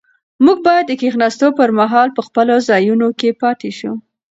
موږ باید د کښېناستو پر مهال په خپلو ځایونو کې پاتې شو.